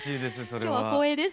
今日は光栄です。